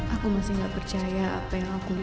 aku masih gak percaya apa yang budi kemarin